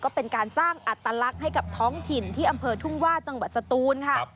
ก็เป็นการสร้างอัตลักษณ์ให้กับท้องถิ่นที่อำเภอทุ่งว่าจังหวัดสตูนค่ะ